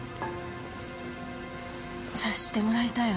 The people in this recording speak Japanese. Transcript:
察してもらいたいわ。